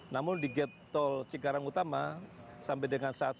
namun di gate tol cikarang utama sampai dengan saat ini